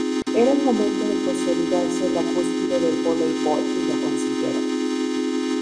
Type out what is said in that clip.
Era el momento de consolidarse en la cúspide del voleibol y lo consiguieron.